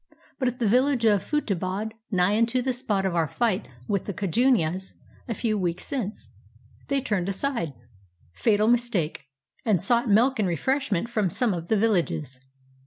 But at the village of Futtehabad (nigh unto the spot of our fight with the Kujianis a few weeks since) they turned aside — fatal mistake — and sought milk and refreshment from some of the villages.